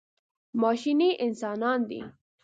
ماشیني انسانان دي.